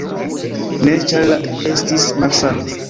Ne, ĉar la estis malsana.